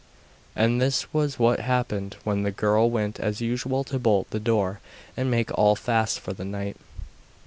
And this was what happened when the girl went as usual to bolt the door and make all fast for the night.